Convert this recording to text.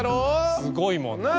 すごいもん。なあ？